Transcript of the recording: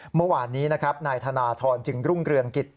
เมื่อวานนี้นะครับนายธนทรจึงรุ่งเรืองกิจ